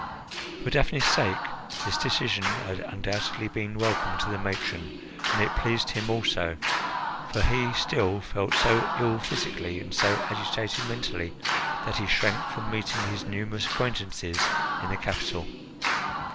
For Daphne's sake this decision had undoubtedly been welcome to the matron, and it pleased him also; for he still felt so ill physically, and so agitated mentally, that he shrank from meeting his numerous acquaintances in the capital.